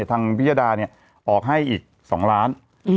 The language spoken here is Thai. ทางพิยดาออกให้อีก๒ล้าน